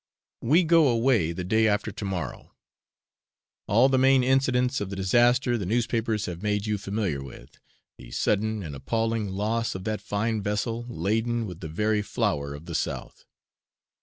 We go away the day after to morrow. All the main incidents of the disaster the newspapers have made you familiar with the sudden and appalling loss of that fine vessel laden with the very flower of the south.